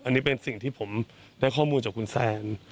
อันนี้เป็นสิ่งที่ผมได้ข้อมูลจากคุณแซน